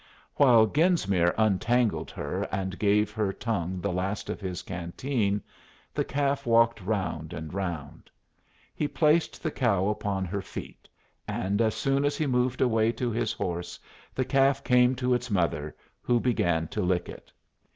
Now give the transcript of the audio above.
While Genesmere untangled her and gave her tongue the last of his canteen the calf walked round and round. He placed the cow upon her feet, and as soon as he moved away to his horse the calf came to its mother, who began to lick it.